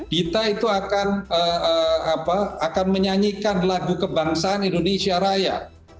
dita itu akan menyanyikan lagu kebangsaan indonesia raya